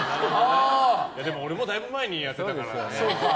でも俺もだいぶ前にやってたけどね。